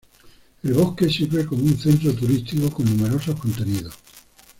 El bosque sirve como un centro turístico con numerosos contenidos.